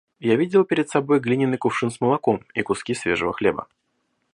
Я видел перед собой глиняный кувшин с молоком и куски свежего хлеба.